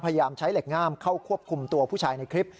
พยายามใช้เหล็กง่ามเข้าควบคุมตัวผู้ชายในคลิป